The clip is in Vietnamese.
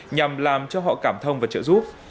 nhằm làm cho họ cảm thông và trợ giúp